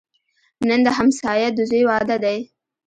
نن د همسایه د زوی واده دی